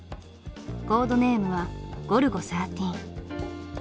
コードネームは「ゴルゴ１３」。